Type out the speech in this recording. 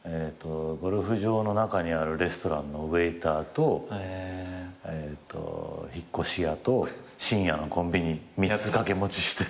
ゴルフ場の中にあるレストランのウエーターと引っ越し屋と深夜のコンビニ三つ掛け持ちして。